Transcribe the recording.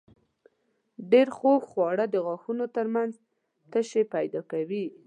ډېر خوږ خواړه د غاښونو تر منځ تشې پیدا کوي.